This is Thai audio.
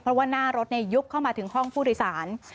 เพราะว่าหน้ารถยุบเข้ามาถึงห้องผู้โดยสาร